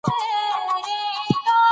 زده کړه نجونو ته د ناروغ پالنه ور زده کوي.